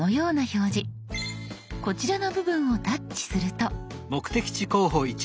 こちらの部分をタッチすると。